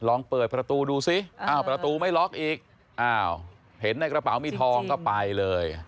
ลองเปิดประตูดูซิอ้าวประตูไม่ล็อกอีกอ้าวเห็นในกระเป๋ามีทองก็ไปเลย